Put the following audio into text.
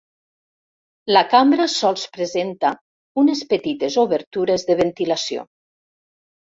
La cambra sols presenta unes petites obertures de ventilació.